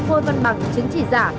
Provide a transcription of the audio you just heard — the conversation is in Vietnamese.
phôi văn bằng chính trị giả